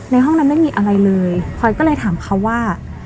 ห้องนั้นไม่มีอะไรเลยพลอยก็เลยถามเขาว่า